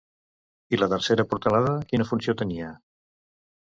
I la tercera portalada quina funció tenia?